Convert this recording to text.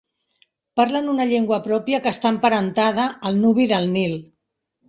Parlen una llengua pròpia que està emparentada al nubi del Nil.